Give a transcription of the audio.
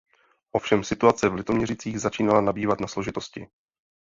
Ovšem situace v Litoměřicích začínala nabývat na složitosti.